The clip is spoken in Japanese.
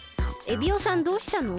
エビオさんどうしたの？